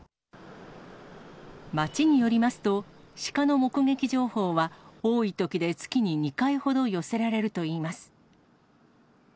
町によりますと、シカの目撃情報は多いときで月に２回ほど寄せられるといいます。